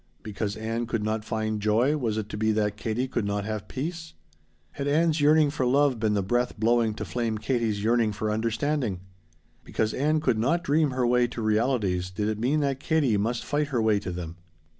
Because Ann could not find joy was it to be that Katie could not have peace? Had Ann's yearning for love been the breath blowing to flame Katie's yearning for understanding? Because Ann could not dream her way to realities did it mean that Katie must fight her way to them?